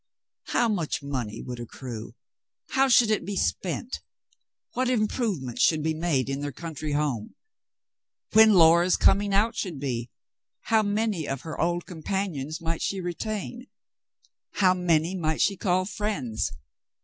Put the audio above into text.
How much money would accrue ? How should it be spent ? "WTiat improvements should be made in their country home ? WTien Laura's coming out should be ? How many of her old companions might she retain ? How many might she call friends